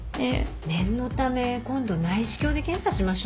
念のため今度内視鏡で検査しましょう。